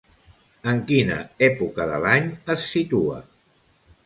En quina època de l'any es situa?